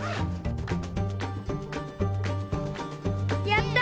やった！